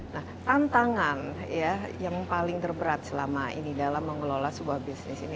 nah tantangan ya yang paling terberat selama ini dalam mengelola sebuah bisnis ini